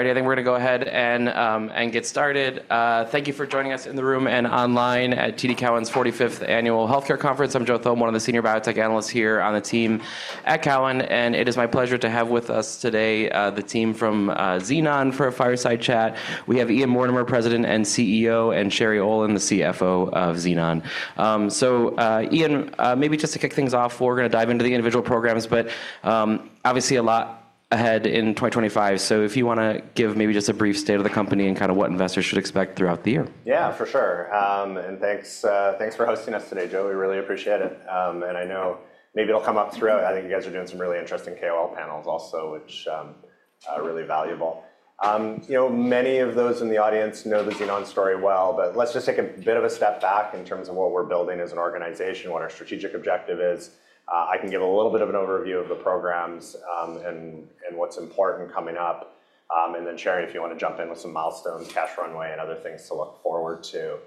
I think we're going to go ahead and get started. Thank you for joining us in the room and online at TD Cowen's 45th Annual Healthcare Conference. I'm Joe Thome, one of the Senior Biotech Analysts here on the team at Cowen. And it is my pleasure to have with us today the team from Xenon for a fireside chat. We have Ian Mortimer, President and CEO, and Sherry Aulin, the CFO of Xenon. So Ian, maybe just to kick things off, we're going to dive into the individual programs, but obviously a lot ahead in 2025. So if you want to give maybe just a brief state of the company and kind of what investors should expect throughout the year. Yeah, for sure. And thanks for hosting us today, Joe. We really appreciate it. And I know maybe it'll come up throughout. I think you guys are doing some really interesting KOL panels also, which are really valuable. Many of those in the audience know the Xenon story well, but let's just take a bit of a step back in terms of what we're building as an organization, what our strategic objective is. I can give a little bit of an overview of the programs and what's important coming up. And then Sherry, if you want to jump in with some milestones, cash runway, and other things to look forward to.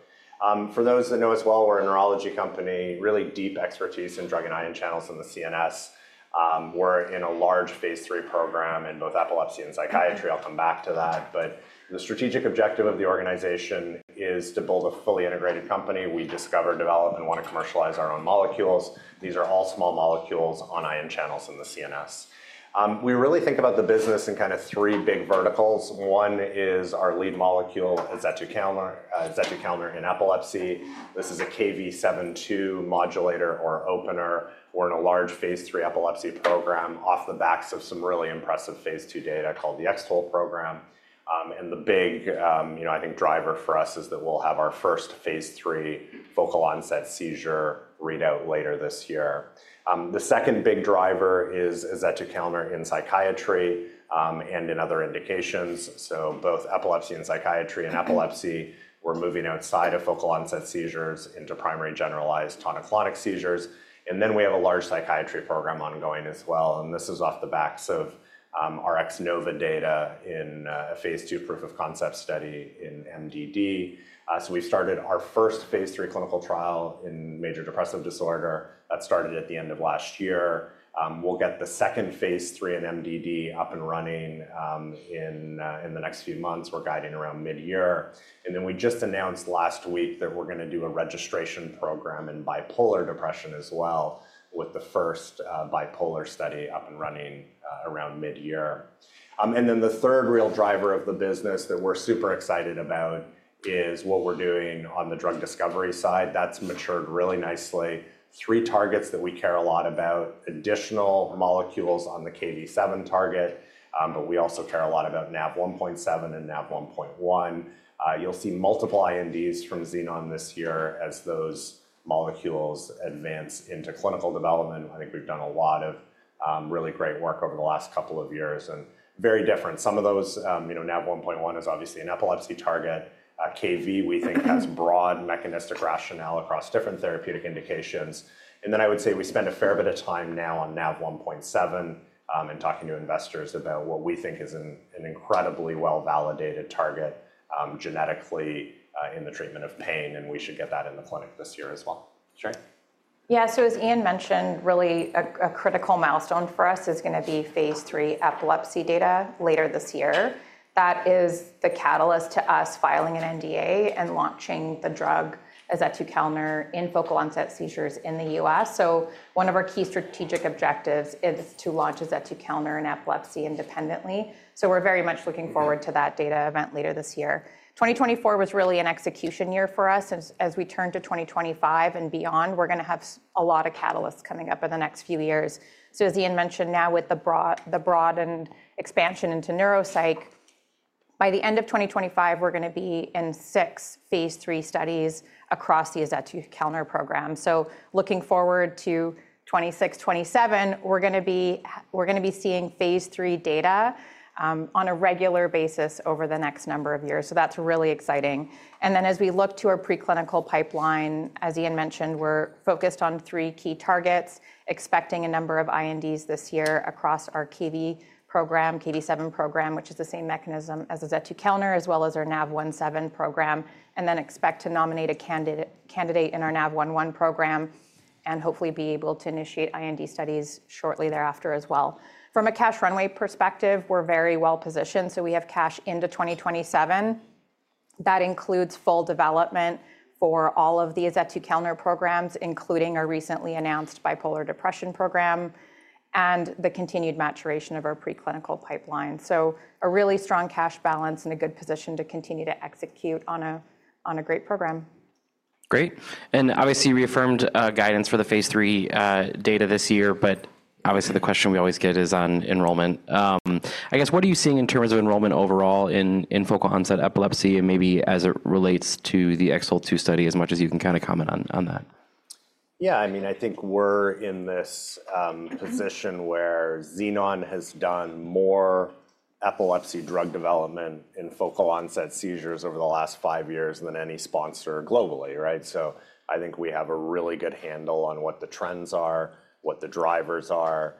For those that know us well, we're a neurology company, really deep expertise in drug and ion channels in the CNS. We're in a large Phase III program in both Epilepsy and Psychiatry. I'll come back to that. The strategic objective of the organization is to build a fully integrated company. We discover, develop, and want to commercialize our own molecules. These are all small molecules on ion channels in the CNS. We really think about the business in kind of three big verticals. One is our lead molecule, Azetukalner. Azetukalner in Epilepsy. This is a Kv7.2 modulator or opener, we're in a large Phase III epilepsy program off the backs of some really impressive Phase II data called the X-TOLE program. And the big, I think, driver for us is that we'll have our first Phase III focal onset seizure readout later this year. The second big driver is Azetukalner in Psychiatry and in other indications. So both Epilepsy and Psychiatry and Epilepsy, we're moving outside of focal onset seizures into Primary Generalized Tonic-Clonic Seizures. And then we have a large Psychiatry program ongoing as well. And this is off the backs of our X-NOVA data in a Phase II proof of concept study in MDD. So we started our first Phase III clinical trial in Major Depressive Disorder that started at the end of last year. We'll get the second Phase III in MDD up and running in the next few months. We're guiding around mid-year. And then we just announced last week that we're going to do a registration program in Bipolar Depression as well with the first Bipolar study up and running around mid-year. And then the third real driver of the business that we're super excited about is what we're doing on the drug discovery side. That's matured really nicely. Three targets that we care a lot about, additional molecules on the Kv7 target, but we also care a lot about Nav1.7 and Nav1.1. You'll see multiple INDs from Xenon this year as those molecules advance into clinical development. I think we've done a lot of really great work over the last couple of years and very different. Some of those, Nav1.1 is obviously an epilepsy target. Kv7, we think, has broad mechanistic rationale across different therapeutic indications. And then I would say we spend a fair bit of time now on Nav1.7 and talking to investors about what we think is an incredibly well-validated target genetically in the treatment of pain. And we should get that in the clinic this year as well. Sherry? Yeah, so as Ian mentioned, really a critical milestone for us is going to be Phase III epilepsy data later this year. That is the catalyst to us filing an NDA and launching the drug, Azetukalner, in focal onset seizures in the US. So one of our key strategic objectives is to launch Azetukalner in epilepsy independently. So we're very much looking forward to that data event later this year. 2024 was really an execution year for us. As we turn to 2025 and beyond, we're going to have a lot of catalysts coming up in the next few years. So as Ian mentioned, now with the broadened expansion into neuropsych, by the end of 2025, we're going to be in six Phase III studies across the Azetukalner program. Looking forward to 2026, 2027, we're going to be seeing Phase III data on a regular basis over the next number of years. That's really exciting. Then as we look to our preclinical pipeline, as Ian mentioned, we're focused on three key targets, expecting a number of INDs this year across our Kv7 program, which is the same mechanism as Azetukalner, as well as our Nav1.7 program, and then expect to nominate a candidate in our Nav1.1 program and hopefully be able to initiate IND studies shortly thereafter as well. From a cash runway perspective, we're very well positioned. We have cash into 2027. That includes full development for all of the Azetukalner programs, including our recently announced Bipolar Depression program and the continued maturation of our preclinical pipeline. So a really strong cash balance and a good position to continue to execute on a great program. Great. And obviously reaffirmed guidance for the Phase III data this year, but obviously the question we always get is on enrollment. I guess, what are you seeing in terms of enrollment overall in focal onset epilepsy and maybe as it relates to the X-TOLE II study as much as you can kind of comment on that? Yeah, I mean, I think we're in this position where Xenon has done more epilepsy drug development in focal onset seizures over the last five years than any sponsor globally, right? So I think we have a really good handle on what the trends are, what the drivers are.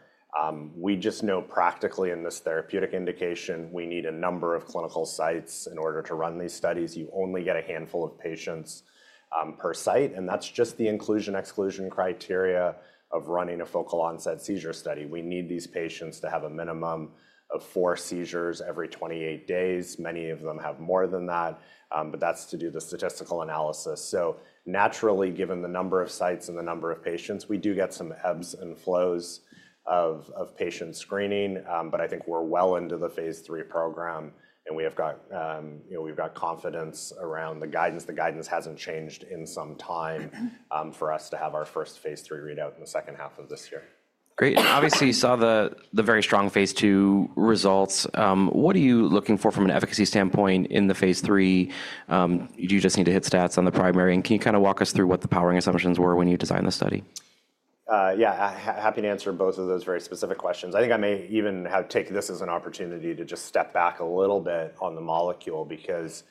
We just know practically in this therapeutic indication, we need a number of clinical sites in order to run these studies. You only get a handful of patients per site. And that's just the inclusion-exclusion criteria of running a focal onset seizure study. We need these patients to have a minimum of four seizures every 28 days. Many of them have more than that, but that's to do the statistical analysis. So naturally, given the number of sites and the number of patients, we do get some ebbs and flows of patient screening, but I think we're well into the Phase III program and we have got confidence around the guidance. The guidance hasn't changed in some time for us to have our first Phase III readout in the second half of this year. Great. And obviously you saw the very strong Phase II results. What are you looking for from an efficacy standpoint in the Phase III? Do you just need to hit stats on the primary? And can you kind of walk us through what the powering assumptions were when you designed the study? Yeah, happy to answer both of those very specific questions. I think I may even take this as an opportunity to just step back a little bit on the molecule because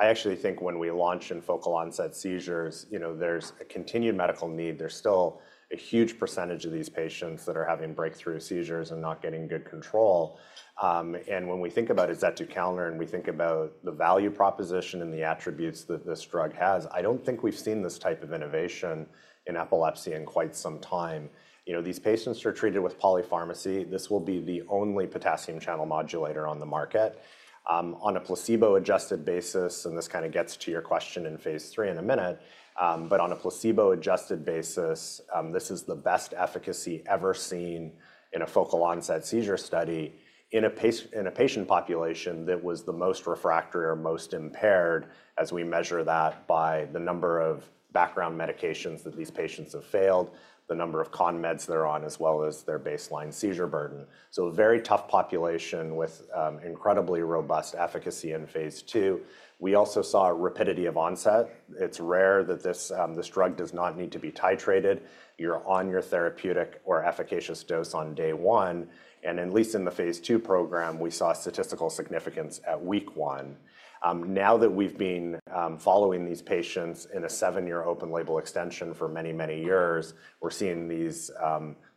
I actually think when we launch in focal onset seizures, there's a continued medical need. There's still a huge percentage of these patients that are having breakthrough seizures and not getting good control, and when we think about Azetukalner and we think about the value proposition and the attributes that this drug has, I don't think we've seen this type of innovation in epilepsy in quite some time. These patients are treated with polypharmacy. This will be the only potassium channel modulator on the market. On a placebo-adjusted basis, and this kind of gets to your question in Phase III in a minute, but on a placebo-adjusted basis, this is the best efficacy ever seen in a focal onset seizure study in a patient population that was the most refractory or most impaired as we measure that by the number of background medications that these patients have failed, the number of con meds they're on, as well as their baseline seizure burden. So a very tough population with incredibly robust efficacy in Phase II. We also saw rapidity of onset. It's rare that this drug does not need to be titrated. You're on your therapeutic or efficacious dose on day one. And at least in the Phase II program, we saw statistical significance at week one. Now that we've been following these patients in a seven-year open-label extension for many, many years, we're seeing these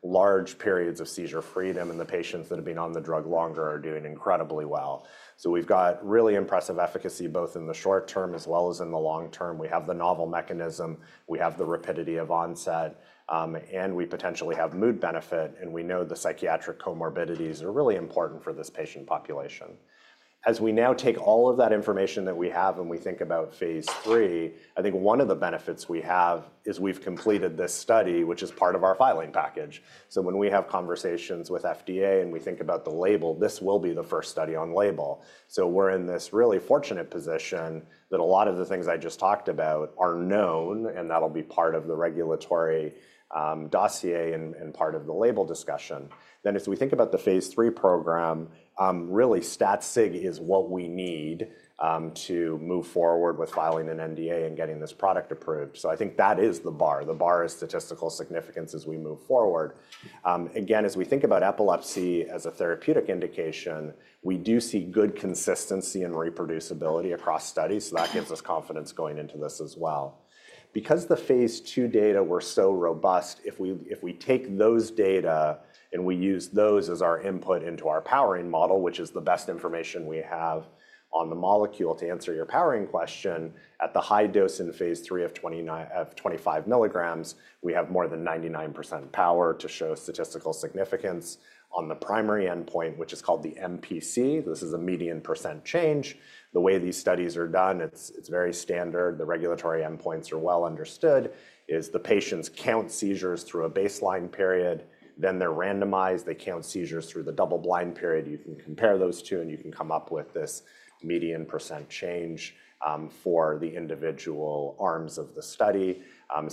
large periods of seizure freedom and the patients that have been on the drug longer are doing incredibly well. So we've got really impressive efficacy both in the short term as well as in the long term. We have the novel mechanism, we have the rapidity of onset, and we potentially have mood benefit. And we know the psychiatric comorbidities are really important for this patient population. As we now take all of that information that we have and we think about Phase III, I think one of the benefits we have is we've completed this study, which is part of our filing package. So when we have conversations with FDA and we think about the label, this will be the first study on label. So we're in this really fortunate position that a lot of the things I just talked about are known and that'll be part of the regulatory dossier and part of the label discussion. Then as we think about the Phase III program, really stat sig is what we need to move forward with filing an NDA and getting this product approved. So I think that is the bar. The bar is statistical significance as we move forward. Again, as we think about Epilepsy as a therapeutic indication, we do see good consistency and reproducibility across studies. So that gives us confidence going into this as well. Because the Phase II data were so robust, if we take those data and we use those as our input into our powering model, which is the best information we have on the molecule to answer your powering question, at the high dose in Phase III of 25 milligrams, we have more than 99% power to show statistical significance on the primary endpoint, which is called the MPC. This is a Median Percent Change. The way these studies are done, it's very standard. The regulatory endpoints are well understood. Is the patients count seizures through a baseline period, then they're randomized, they count seizures through the double-blind period. You can compare those two and you can come up with this Median Percent Change for the individual arms of the study.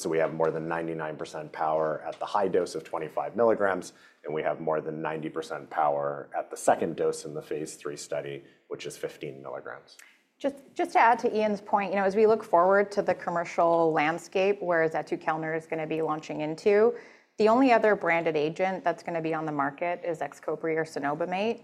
We have more than 99% power at the high dose of 25 milligrams and we have more than 90% power at the second dose in the Phase III study, which is 15 milligrams. Just to add to Ian's point, as we look forward to the commercial landscape where Azetukalner is going to be launching into, the only other branded agent that's going to be on the market is Xcopri or cenobamate.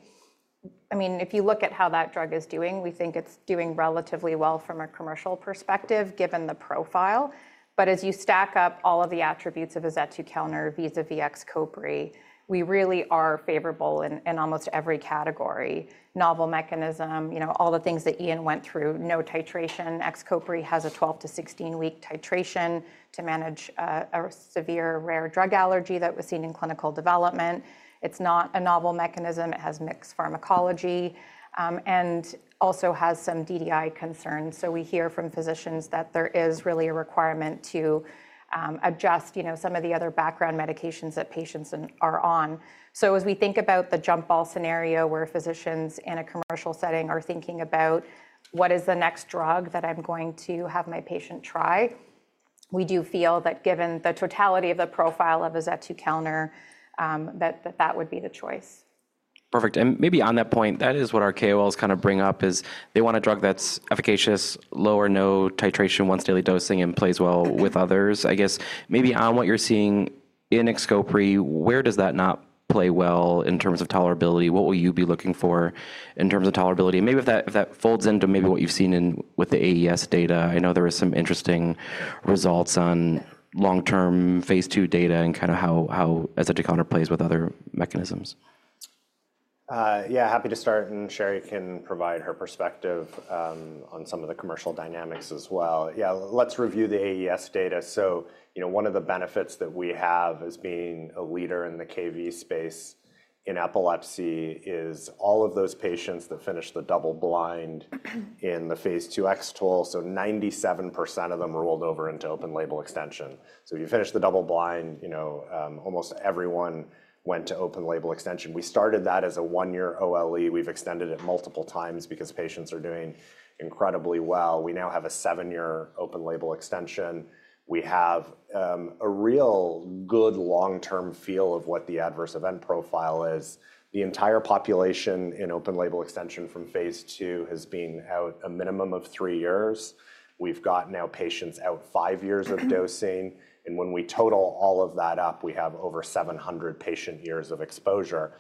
I mean, if you look at how that drug is doing, we think it's doing relatively well from a commercial perspective given the profile. But as you stack up all of the attributes of Azetukalner vis-à-vis Xcopri, we really are favorable in almost every category. Novel mechanism, all the things that Ian went through, no titration. Xcopri has a 12-16-week titration to manage a severe rare drug allergy that was seen in clinical development. It's not a novel mechanism. It has mixed pharmacology and also has some DDI concerns. We hear from physicians that there is really a requirement to adjust some of the other background medications that patients are on. As we think about the jump ball scenario where physicians in a commercial setting are thinking about what is the next drug that I'm going to have my patient try, we do feel that given the totality of the profile of Azetukalner, that that would be the choice. Perfect. And maybe on that point, that is what our KOLs kind of bring up is they want a drug that's efficacious, low or no titration, once daily dosing and plays well with others. I guess maybe on what you're seeing in Xcopri, where does that not play well in terms of tolerability? What will you be looking for in terms of tolerability? Maybe if that folds into what you've seen with the AES data, I know there were some interesting results on long-term Phase II data and kind of how Azetukalner plays with other mechanisms. Yeah, happy to start and Sherry can provide her perspective on some of the commercial dynamics as well. Yeah, let's review the AES data, so one of the benefits that we have as being a leader in the Kv space in epilepsy is all of those patients that finished the double-blind in the Phase II X-TOLE, so 97% of them rolled over into Open Label Extension, so if you finish the double-blind, almost everyone went to Open Label Extension. We started that as a one-year OLE. We've extended it multiple times because patients are doing incredibly well. We now have a seven-year Open Label Extension. We have a real good long-term feel of what the adverse event profile is. The entire population in Open Label Extension from Phase II has been out a minimum of three years. We've got now patients out five years of dosing. When we total all of that up, we have over 700 patient years of exposure.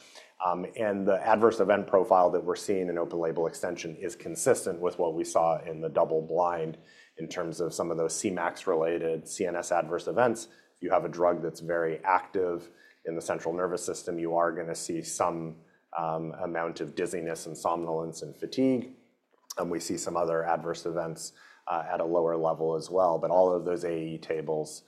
The adverse event profile that we're seeing in Open Label Extension is consistent with what we saw in the double-blind in terms of some of those CMAX-related CNS adverse events. If you have a drug that's very active in the Central Nervous System, you are going to see some amount of dizziness and somnolence and fatigue. We see some other adverse events at a lower level as well. All of those AE tables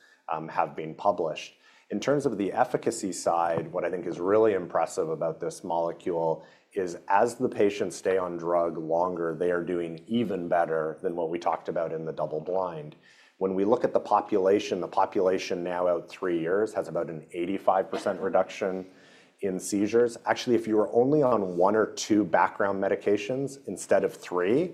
have been published. In terms of the efficacy side, what I think is really impressive about this molecule is as the patients stay on drug longer, they are doing even better than what we talked about in the double-blind. When we look at the population, the population now out three years has about an 85% reduction in seizures. Actually, if you were only on one or two background medications instead of three,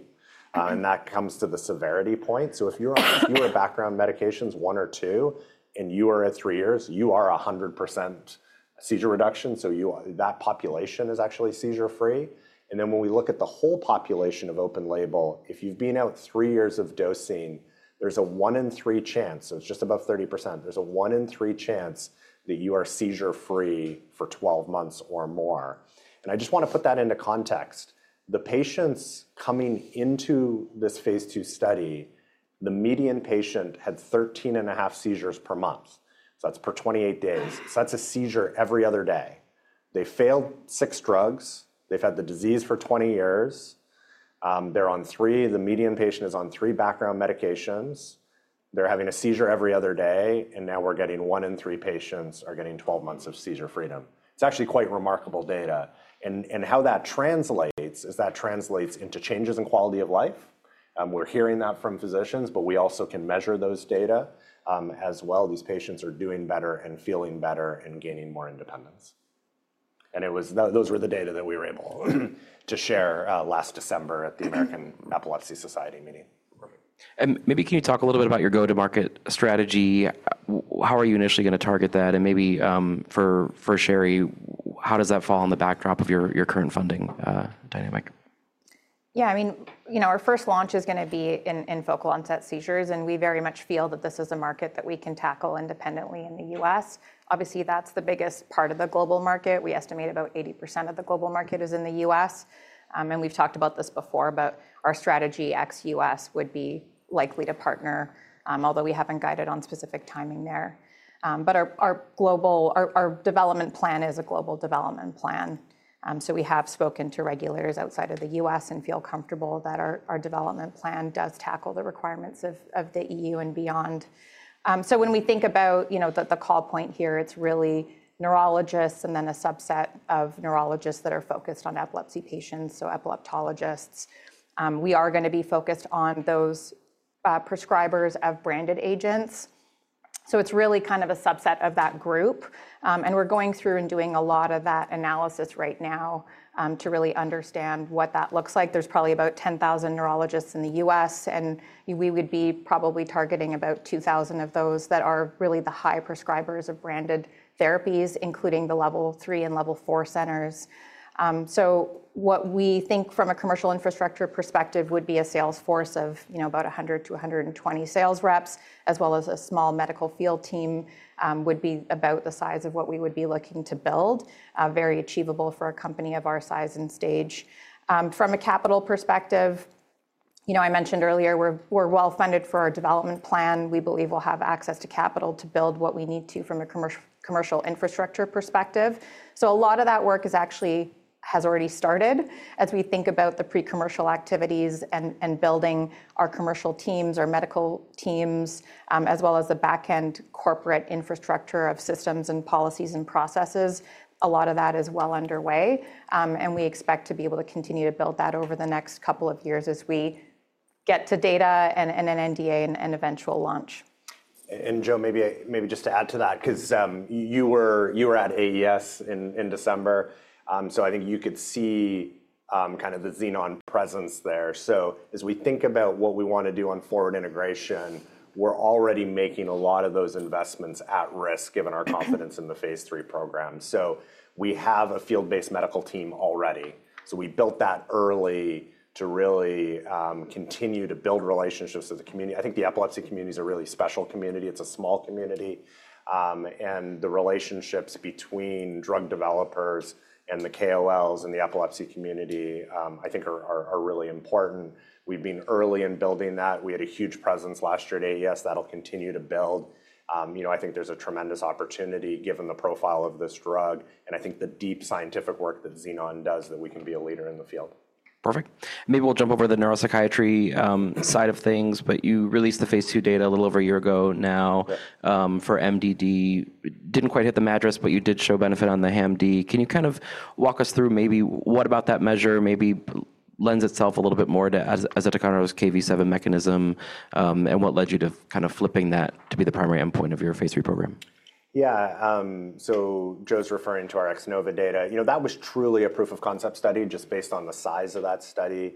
and that comes to the severity point. So if you're on fewer background medications, one or two, and you are at three years, you are a 100% seizure reduction. So that population is actually seizure-free. And then when we look at the whole population of open-label, if you've been out three years of dosing, there's a one in three chance, so it's just above 30%, there's a one in three chance that you are seizure-free for 12 months or more. And I just want to put that into context. The patients coming into this Phase II study, the median patient had 13 and a half seizures per month. So that's per 28 days. So that's a seizure every other day. They failed six drugs. They've had the disease for 20 years. They're on three. The median patient is on three background medications. They're having a seizure every other day. And now we're getting one in three patients are getting 12 months of seizure freedom. It's actually quite remarkable data. And how that translates is into changes in Quality of Life. We're hearing that from physicians, but we also can measure those data as well. These patients are doing better and feeling better and gaining more independence. And those were the data that we were able to share last December at the American Epilepsy Society meeting. And maybe can you talk a little bit about your go-to-market strategy? How are you initially going to target that? And maybe for Sherry, how does that fall on the backdrop of your current funding dynamic? Yeah, I mean, our first launch is going to be in focal onset seizures. And we very much feel that this is a market that we can tackle independently in the U.S. Obviously, that's the biggest part of the global market. We estimate about 80% of the global market is in the U.S. And we've talked about this before, but our strategy ex-U.S. would be likely to partner, although we haven't guided on specific timing there. But our development plan is a global development plan. So we have spoken to regulators outside of the U.S. and feel comfortable that our development plan does tackle the requirements of the EU and beyond. So when we think about the call point here, it's really neurologists and then a subset of neurologists that are focused on epilepsy patients, so epileptologists. We are going to be focused on those prescribers of branded agents. It's really kind of a subset of that group. And we're going through and doing a lot of that analysis right now to really understand what that looks like. There's probably about 10,000 neurologists in the U.S., and we would be probably targeting about 2,000 of those that are really the high prescribers of branded therapies, including the level three and level four centers. So what we think from a commercial infrastructure perspective would be a sales force of about 100 to 120 sales reps, as well as a small medical field team would be about the size of what we would be looking to build, very achievable for a company of our size and stage. From a capital perspective, I mentioned earlier, we're well funded for our development plan. We believe we'll have access to capital to build what we need to from a commercial infrastructure perspective. So a lot of that work has actually already started as we think about the pre-commercial activities and building our commercial teams, our medical teams, as well as the backend corporate infrastructure of systems and policies and processes. A lot of that is well underway. And we expect to be able to continue to build that over the next couple of years as we get to data and an NDA and eventual launch. And Joe, maybe just to add to that, because you were at AES in December, so I think you could see kind of the Xenon presence there. So as we think about what we want to do on forward integration, we're already making a lot of those investments at risk given our confidence in the Phase III program. So we have a field-based medical team already. So we built that early to really continue to build relationships with the community. I think the epilepsy community is a really special community. It's a small community. And the relationships between drug developers and the KOLs and the epilepsy community, I think are really important. We've been early in building that. We had a huge presence last year at AES. That'll continue to build. I think there's a tremendous opportunity given the profile of this drug and I think the deep scientific work that Xenon does that we can be a leader in the field. Perfect. Maybe we'll jump over the neuropsychiatry side of things, but you released the phase 2 data a little over a year ago now for MDD. Didn't quite hit the MADRS, but you did show benefit on the HAMD. Can you kind of walk us through maybe what about that measure maybe lends itself a little bit more to Azetukalner's Kv7 mechanism and what led you to kind of flipping that to be the primary endpoint of your Phase III program? Yeah, so Jo's referring to our X-NOVA data. That was truly a proof of concept study just based on the size of that study.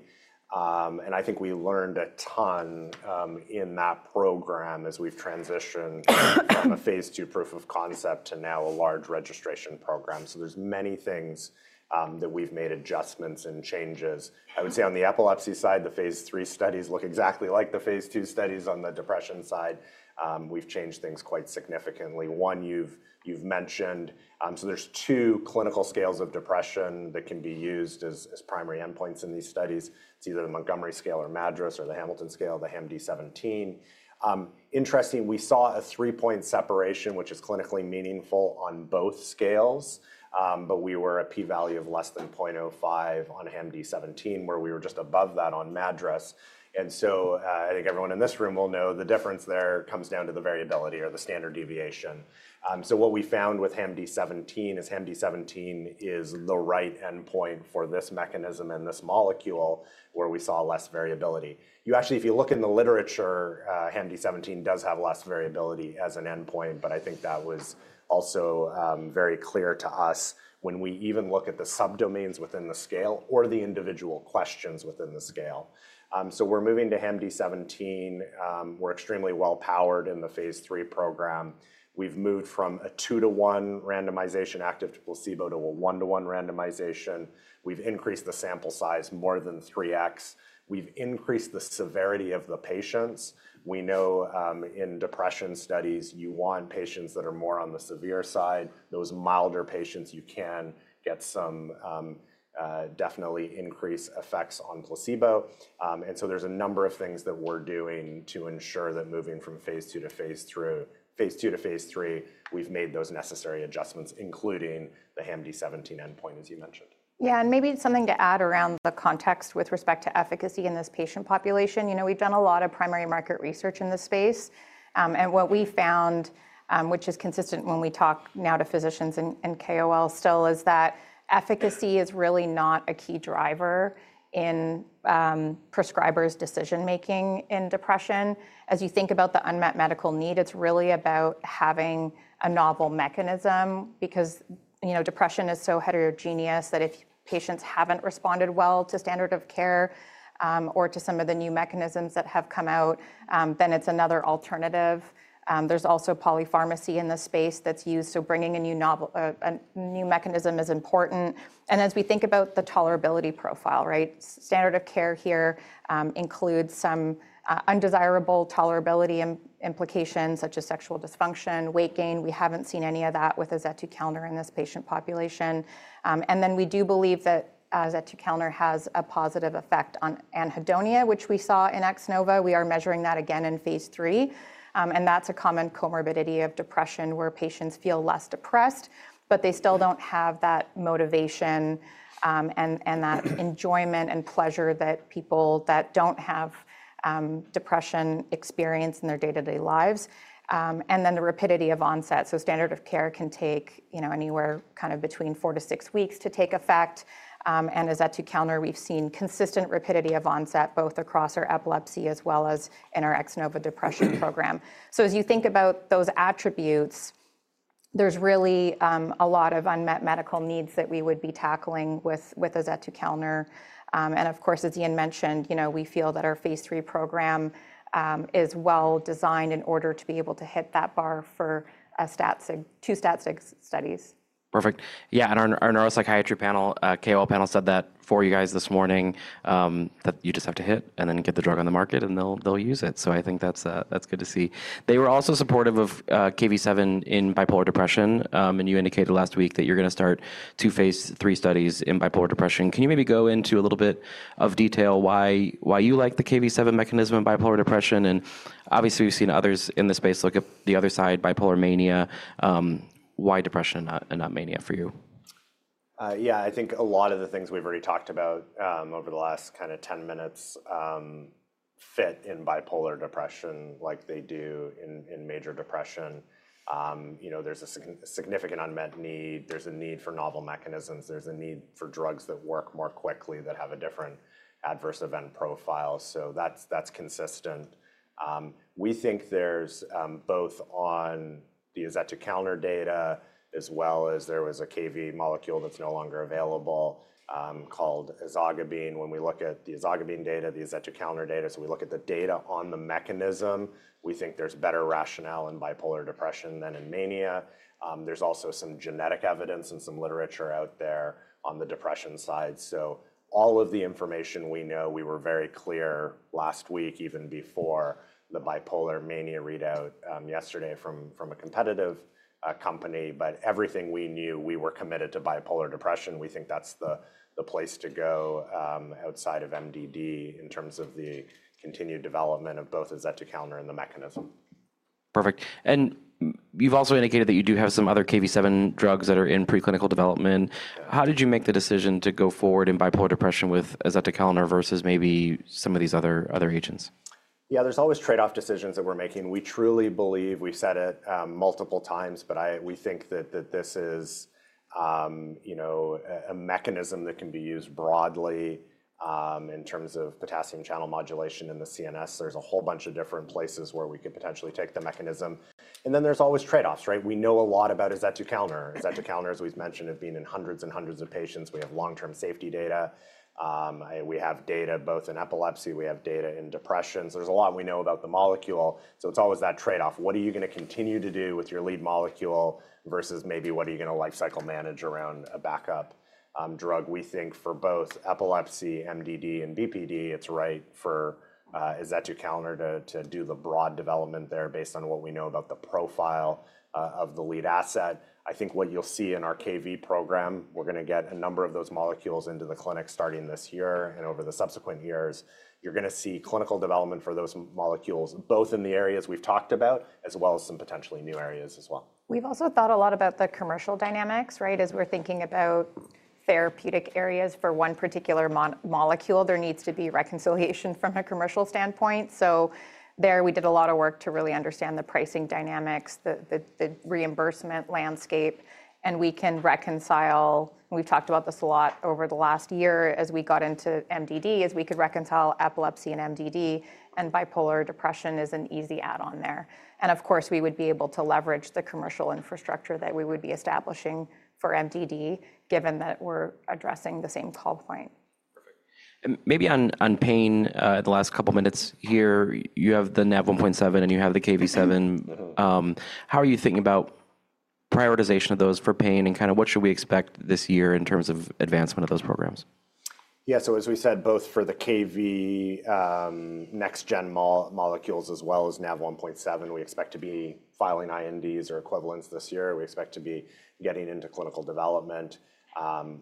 And I think we learned a ton in that program as we've transitioned from a Phase II proof of concept to now a large registration program. So there's many things that we've made adjustments and changes. I would say on the epilepsy side, the Phase III studies look exactly like the Phase II studies on the depression side. We've changed things quite significantly. One you've mentioned, so there's two clinical scales of depression that can be used as primary endpoints in these studies. It's either the Montgomery scale or MADRS or the Hamilton scale, the HAM-D17. Interesting, we saw a three-point separation, which is clinically meaningful on both scales, but we were a p-value of less than 0.05 on HAM-D17 where we were just above that on MADRS. And so I think everyone in this room will know the difference there comes down to the variability or the standard deviation. So what we found with HAM-D17 is HAM-D17 is the right endpoint for this mechanism and this molecule where we saw less variability. You actually, if you look in the literature, HAM-D17 does have less variability as an endpoint, but I think that was also very clear to us when we even look at the subdomains within the scale or the individual questions within the scale. So we're moving to HAM-D17. We're extremely well powered in the Phase III program. We've moved from a two-to-one randomization active placebo to a one-to-one randomization. We've increased the sample size more than 3x. We've increased the severity of the patients. We know in depression studies, you want patients that are more on the severe side. Those milder patients, you can get some definitely increased effects on placebo. And so there's a number of things that we're doing to ensure that moving from phase two to phase three we've made those necessary adjustments, including the HAM-D17 endpoint, as you mentioned. Yeah, and maybe something to add around the context with respect to efficacy in this patient population. We've done a lot of primary market research in this space, and what we found, which is consistent when we talk now to physicians and KOLs still, is that efficacy is really not a key driver in prescribers' decision-making in depression. As you think about the unmet medical need, it's really about having a novel mechanism because depression is so heterogeneous that if patients haven't responded well to standard of care or to some of the new mechanisms that have come out, then it's another alternative. There's also polypharmacy in the space that's used. So bringing a new mechanism is important, and as we think about the tolerability profile, standard of care here includes some undesirable tolerability implications such as sexual dysfunction, weight gain. We haven't seen any of that with Azetukalner in this patient population. And then we do believe that Azetukalner has a positive effect on Anhedonia, which we saw in X-NOVA. We are measuring that again in Phase III. And that's a common comorbidity of depression where patients feel less depressed, but they still don't have that motivation and that enjoyment and pleasure that people that don't have depression experience in their day-to-day lives. And then the rapidity of onset. So standard of care can take anywhere kind of between four to six weeks to take effect. And Azetukalner, we've seen consistent rapidity of onset both across our epilepsy as well as in our X-NOVA depression program. So as you think about those attributes, there's really a lot of unmet medical needs that we would be tackling with Azetukalner. Of course, as Ian mentioned, we feel that our Phase III program is well designed in order to be able to hit that bar for two Stat Sig studies. Perfect. Yeah, and our Neuropsychiatry panel, KOL Panel said that for you guys this morning that you just have to hit and then get the drug on the market and they'll use it. So I think that's good to see. They were also supportive of KV7 in Bipolar Depression. And you indicated last week that you're going to start two Phase III studies in Bipolar Depression. Can you maybe go into a little bit of detail why you like the KV7 mechanism in Bipolar Depression? And obviously, we've seen others in this space look at the other side, Bipolar Mania. Why depression and not mania for you? Yeah, I think a lot of the things we've already talked about over the last kind of 10 minutes fit in Bipolar Depression like they do in Major Depression. There's a significant unmet need. There's a need for novel mechanisms. There's a need for drugs that work more quickly that have a different adverse event profile. So that's consistent. We think there's both on the Azetukalner data as well as there was a Kv7 molecule that's no longer available called ezogabine. When we look at the ezogabine data, the Azetukalner data, so we look at the data on the mechanism, we think there's better rationale in Bipolar Depression than in mania. There's also some genetic evidence and some literature out there on the depression side. So all of the information we know, we were very clear last week, even before the bipolar mania readout yesterday from a competitive company. But everything we knew, we were committed to Bipolar Depression. We think that's the place to go outside of MDD in terms of the continued development of both Azetukalner and the mechanism. Perfect. And you've also indicated that you do have some other Kv7 drugs that are in preclinical development. How did you make the decision to go forward in Bipolar Depression with Azetukalner versus maybe some of these other agents? Yeah, there's always trade-off decisions that we're making. We truly believe, we've said it multiple times, but we think that this is a mechanism that can be used broadly in terms of potassium channel modulation in the CNS. There's a whole bunch of different places where we could potentially take the mechanism. Then there's always trade-offs, right? We know a lot about Azetukalner. Azetukalner, as we've mentioned, has been in hundreds and hundreds of patients. We have long-term safety data. We have data both in epilepsy. We have data in depression. There's a lot we know about the molecule. So it's always that trade-off. What are you going to continue to do with your lead molecule versus maybe what are you going to lifecycle manage around a backup drug? We think for both epilepsy, MDD, and BPD, it's right for Azetukalner to do the broad development there based on what we know about the profile of the lead asset. I think what you'll see in our Kv7 program, we're going to get a number of those molecules into the clinic starting this year and over the subsequent years. You're going to see clinical development for those molecules both in the areas we've talked about as well as some potentially new areas as well. We've also thought a lot about the commercial dynamics, right? As we're thinking about therapeutic areas for one particular molecule, there needs to be reconciliation from a commercial standpoint. So there we did a lot of work to really understand the pricing dynamics, the reimbursement landscape, and we can reconcile. We've talked about this a lot over the last year as we got into MDD, as we could reconcile epilepsy and MDD, and Bipolar Depression is an easy add-on there, and of course, we would be able to leverage the commercial infrastructure that we would be establishing for MDD given that we're addressing the same call point. Perfect. And maybe on pain, the last couple of minutes here, you have the Nav1.7 and you have the Kv7. How are you thinking about prioritization of those for pain and kind of what should we expect this year in terms of advancement of those programs? Yeah, so as we said, both for the Kv next-gen molecules as well as Nav1.7, we expect to be filing INDs or equivalents this year. We expect to be getting into clinical development.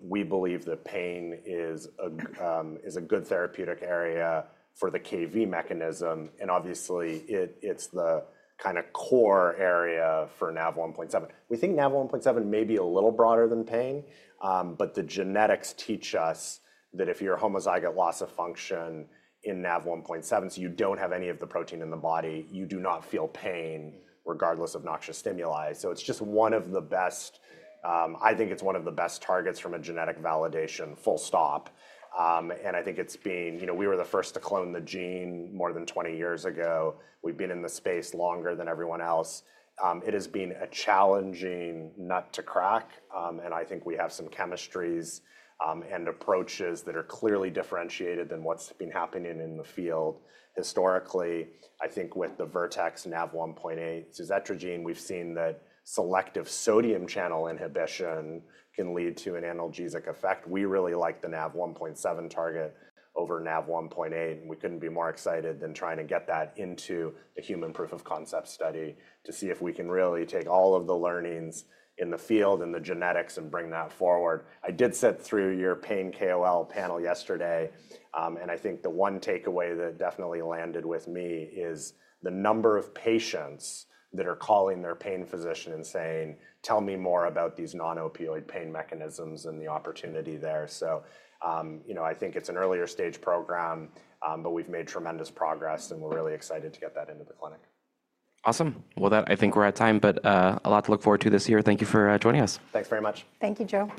We believe that pain is a good therapeutic area for the Kv mechanism. And obviously, it's the kind of core area for Nav1.7. We think Nav1.7 may be a little broader than pain, but the genetics teach us that if you're homozygous loss of function in Nav1.7, so you don't have any of the protein in the body, you do not feel pain regardless of noxious stimuli. So it's just one of the best, I think it's one of the best targets from a genetic validation, full stop. And I think it's been, we were the first to clone the gene more than 20 years ago. We've been in the space longer than everyone else. It has been a challenging nut to crack, and I think we have some chemistries and approaches that are clearly differentiated than what's been happening in the field historically. I think with the Vertex NaV1.8, suzetrigine, we've seen that selective sodium channel inhibition can lead to an analgesic effect. We really like the Nav1.7 target over NaV1.8. We couldn't be more excited than trying to get that into the human proof of concept study to see if we can really take all of the learnings in the field and the genetics and bring that forward. I did sit through your pain KOL Panel yesterday. And I think the one takeaway that definitely landed with me is the number of patients that are calling their pain physician and saying, "Tell me more about these non-opioid pain mechanisms and the opportunity there." So I think it's an earlier stage program, but we've made tremendous progress and we're really excited to get that into the clinic. Awesome. Well, I think we're at time, but a lot to look forward to this year. Thank you for joining us. Thanks very much. Thank you, Joe.